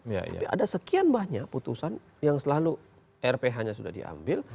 tapi ada sekian banyak putusan yang selalu rph nya sudah diambil